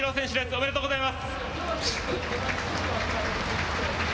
おめでとうございます。